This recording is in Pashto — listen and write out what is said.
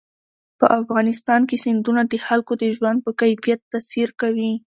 په افغانستان کې سیندونه د خلکو د ژوند په کیفیت تاثیر کوي.